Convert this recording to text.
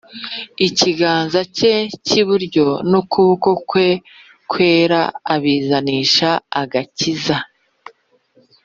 Ikiganza cye cyiburyo nukuboko kwe kwera abizanisha agakiza